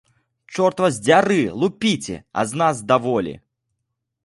Чорт вас дзяры, лупіце, а з нас даволі!